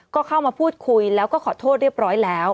ก็เข้ามาพูดคุยแล้วก็ขอโทษเรียบร้อยแล้ว